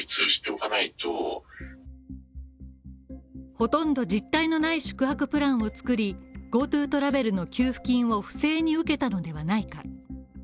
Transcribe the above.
ほとんど実態のない宿泊プランを作り、ＧｏＴｏトラベルの給付金を不正に受けたのではないか。